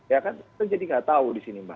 ya kan jadi kita tidak tahu di sini mbak